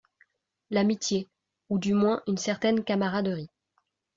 L’amitié, ou du moins une certaine camaraderie